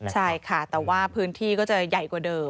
ใช่ค่ะแต่ว่าพื้นที่ก็จะใหญ่กว่าเดิม